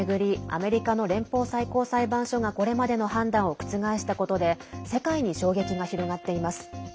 アメリカの連邦最高裁判所がこれまでの判断を覆したことで世界に衝撃が広がっています。